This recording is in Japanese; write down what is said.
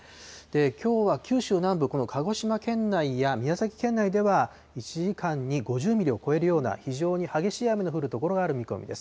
きょうは九州南部、この鹿児島県内や宮崎県内では、１時間に５０ミリを超えるような非常に激しい雨の降る所がある見込みです。